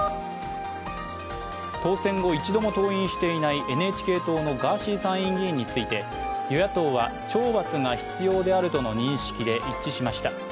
当選後、一度も登院していないＮＨＫ党のガーシー参議院議員について、与野党は懲罰が必要であるとの認識で一致しました。